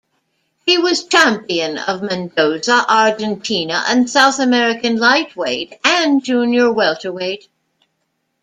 He was champion of Mendoza, Argentina, and South American lightweight and Junior welterweight.